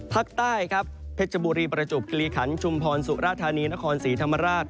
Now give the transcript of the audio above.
ภาคใต้ครับเพชรบุรีประจวบกิริขันชุมพรสุราธานีนครศรีธรรมราช